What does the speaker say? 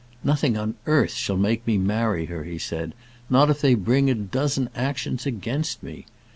"Nothing on earth shall make me marry her," he said; "not if they bring a dozen actions against me.